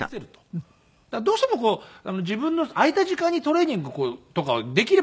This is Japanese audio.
うん。どうしてもこう自分の空いた時間にトレーニングとかをできればするみたいなね。